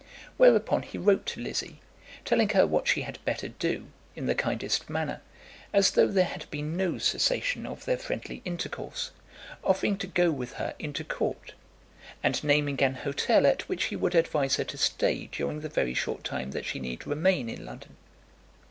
Whereupon he wrote to Lizzie, telling her what she had better do, in the kindest manner, as though there had been no cessation of their friendly intercourse, offering to go with her into court, and naming an hotel at which he would advise her to stay during the very short time that she need remain in London.